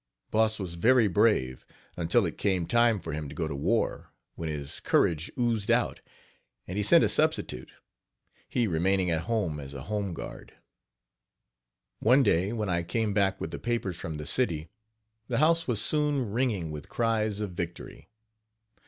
Boss was very brave until it came time for him to go to war, when his courage oozed out, and he sent a substitute; he remaining at home as a "home guard." One day when I came back with the papers from the city, the house was soon ringing with cries of victory.